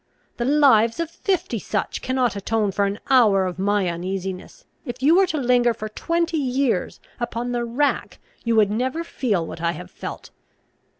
The lives of fifty such cannot atone for an hour of my uneasiness. If you were to linger for twenty years upon the rack, you would never feel what I have felt.